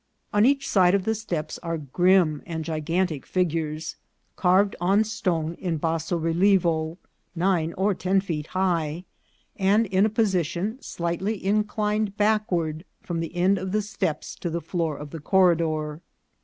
On each side of the steps are grim and gigantic figures, carved on stone in basso relievo, nine or ten feet high, and in a position slightly inclined backward from the end of the steps to the floor of the corridor.